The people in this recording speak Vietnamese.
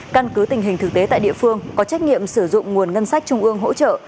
căn cứ tình hình thực tế tại địa phương có trách nhiệm sử dụng nguồn ngân sách trung ương hỗ trợ